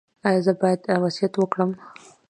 ایا زه باید وصیت وکړم؟